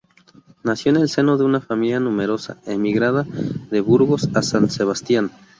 Nació en el seno de una familia numerosa, emigrada de Burgos a San Sebastián.